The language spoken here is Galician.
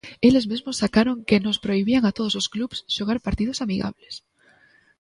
Eles mesmos sacaron que nos prohibían a todos os clubs xogar partidos amigables.